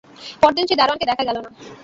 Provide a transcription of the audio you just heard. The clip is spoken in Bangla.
পরদিন সেই দারোয়ানকে দেখা গেল না।